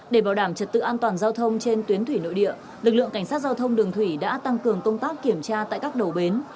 để bảo đảm trật tự an toàn giao thông trên tuyến thủy nội địa lực lượng cảnh sát giao thông đường thủy đã tăng cường công tác kiểm tra tại các đầu bến